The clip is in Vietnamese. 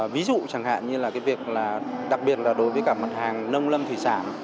ví dụ chẳng hạn như là việc đặc biệt là đối với cả mặt hàng nông lâm thủy sản